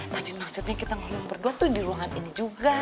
tapi maksudnya kita ngomong berdua tuh di ruangan ini juga